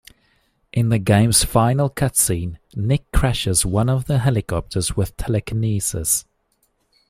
In the game's final cutscene, Nick crashes one of the helicopters with telekinesis.